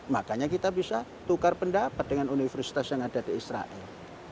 makanya kita bisa tukar pendapat dengan universitas yang ada di israel